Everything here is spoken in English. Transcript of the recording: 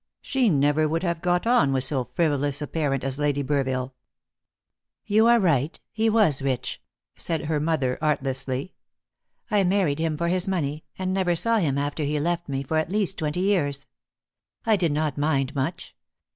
She never would have got on with so frivolous a parent as Lady Burville. "You are right; he was rich," said her mother artlessly. "I married him for his money, and never saw him after he left me for at least twenty years. I did not mind much.